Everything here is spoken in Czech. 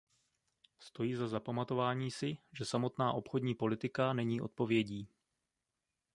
Stojí za zapamatování si, že samotná obchodní politika není odpovědí.